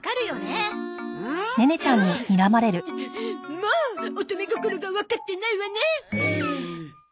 もう乙女心がわかってないわね。